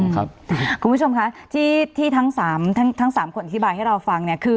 คุณผู้ชมคะที่ทั้งสามคนอธิบายให้เราฟัง